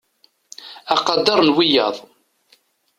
Aqader n wiyaḍ.